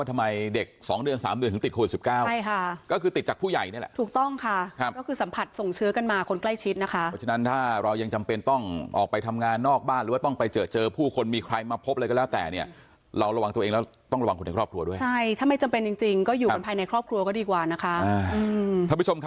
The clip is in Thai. ถ้าผู้ชมครับที่เชียงใหม่เนี่ย